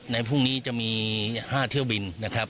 ในพรุ่งนี้จะมี๕เที่ยวบินนะครับ